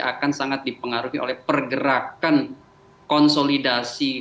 akan sangat dipengaruhi oleh pergerakan konsolidasi